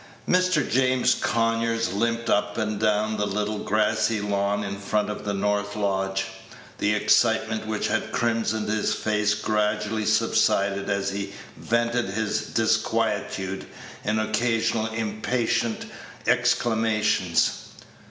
Page 106 Mr. James Conyers limped up and down the little grassy lawn in front of the north lodge. The excitement which had crimsoned his face gradually subsided as he vented his disquietude in occasional impatient exclamations.